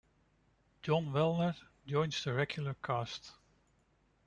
Jon Wellner joins the regular cast.